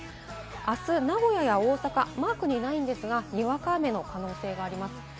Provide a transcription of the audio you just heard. あす名古屋や大阪はマークにはないんですが、にわか雨の可能性があります。